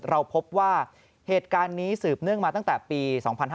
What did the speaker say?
เราพบว่าเหตุการณ์นี้สืบเนื่องมาตั้งแต่ปี๒๕๕๙